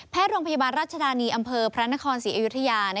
โรงพยาบาลรัชดานีอำเภอพระนครศรีอยุธยา